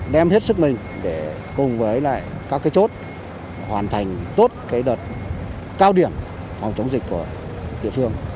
đem hết sức mình để cùng với lại các chốt hoàn thành tốt đợt cao điểm phòng chống dịch của địa phương